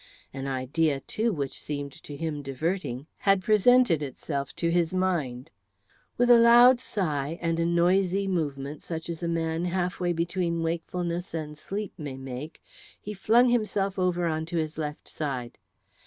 An idea, too, which seemed to him diverting, had presented itself to his mind. With a loud sigh and a noisy movement such as a man halfway between wakefulness and sleep may make he flung himself over onto his left side.